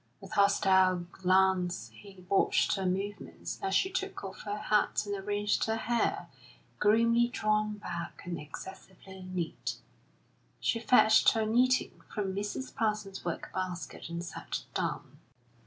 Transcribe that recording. With hostile glance he watched her movements as she took off her hat and arranged her hair, grimly drawn back and excessively neat; she fetched her knitting from Mrs. Parsons's work basket and sat down.